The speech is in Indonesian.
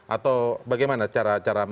atau bagaimana cara